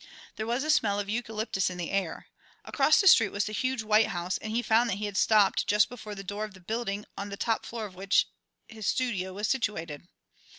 There was a smell of eucalyptus in the air. Across the street was the huge white house, and he found that he had stopped just before the door of the building on the top floor of which his studio was situated.